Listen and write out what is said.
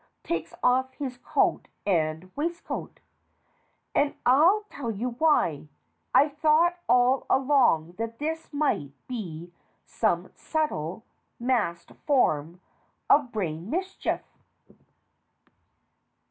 (Takes off his coat and waistcoat.) And I'll tell you why I've thought all along that this might be some subtle, masked form of brain mischief.